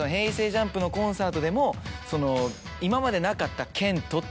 ＪＵＭＰのコンサートでも今までなかった。